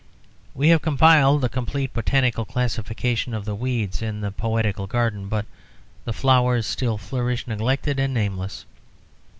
We have compiled a complete botanical classification of the weeds in the poetical garden, but the flowers still flourish, neglected and nameless.